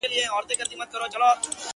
که سینه ساتې له خاره چي رانه سې -